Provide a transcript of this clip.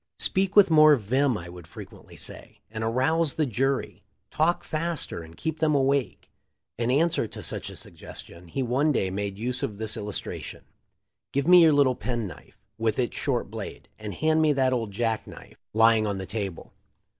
"Speak with more vim," I would frequently say, "and arouse the jury — talk faster and keep them awake". In answer to such a suggestion he one day made use of this illus tration : "Give me your little pen knife, with its short blade, and hand me that old jack knife, lying THE LIFE OF LINCOLN. 339 on the table."